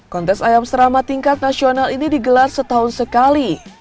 kontes ayam serama tingkat nasional ini digelar setahun sekali